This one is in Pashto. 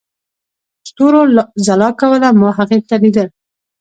ستورو ځلا کوله، ما هغې ته ليدل.